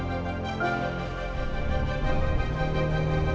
lo mau kemana